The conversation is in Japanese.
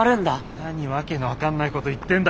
何訳の分かんないこと言ってんだ。